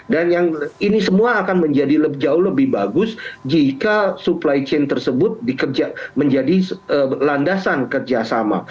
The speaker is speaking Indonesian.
dan yang ini semua akan menjadi jauh lebih bagus jika supply chain tersebut menjadi landasan kerjasama